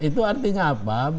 itu artinya apa